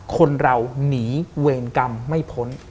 คนเราหนีเวรกรรมไม่พ้น